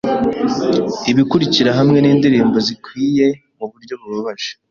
'Ibikurikira hamwe nindirimbo zikwiye muburyo bubabaje